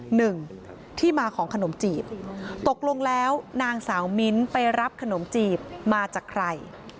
หนึ่งที่มาของขนมจีบตกลงแล้วนางสาวมิ้นไปรับขนมจีบมาจากใคร